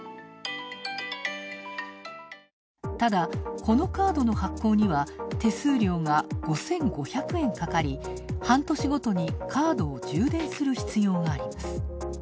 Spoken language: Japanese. ただ、このカードの発行には手数料が５５００円かかり半年ごとにカードを充電する必要があります。